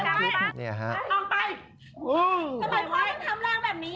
ทำไมพ่อต้องทำร้างแบบนี้